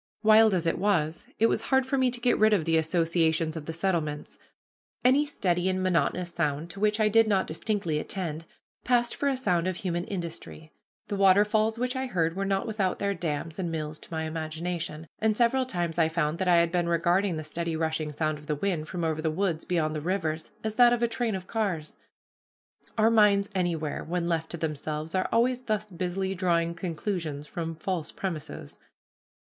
Wild as it was, it was hard for me to get rid of the associations of the settlements. Any steady and monotonous sound, to which I did not distinctly attend, passed for a sound of human industry. The waterfalls which I heard were not without their dams and mills to my imagination; and several times I found that I had been regarding the steady rushing sound of the wind from over the woods beyond the rivers as that of a train of cars. Our minds anywhere, when left to themselves, are always thus busily drawing conclusions from false premises.